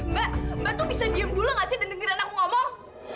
mbak mbak tuh bisa diem dulu gak sih dan dengerin anak ngomong